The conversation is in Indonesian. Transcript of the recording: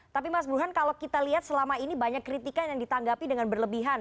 tapi mas burhan kalau kita lihat selama ini banyak kritikan yang ditanggapi dengan berlebihan